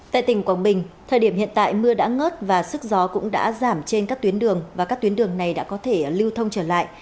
tại tỉnh quảng bình thời điểm hiện tại mưa đã ngớt và sức gió cũng đã giảm trên các tuyến đường và các tuyến đường này đã có thể lưu thông trở lại